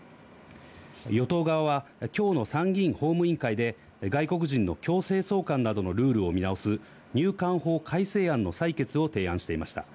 与党側は今日の参議院法務委員会で、外国人の強制送還などのルールを見直す入管法改正案の採決を提案していました。